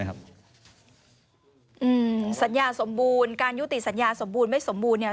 สัญญาสมบูรณ์การยุติสัญญาสมบูรณ์ไม่สมบูรณ์เนี่ย